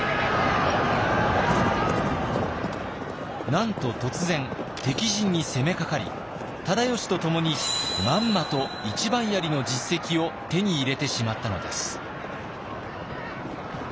なんと突然敵陣に攻めかかり忠吉とともにまんまと一番槍の実績を手に入れてしまったのです。